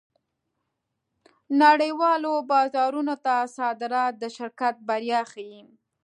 نړۍوالو بازارونو ته صادرات د شرکت بریا ښيي.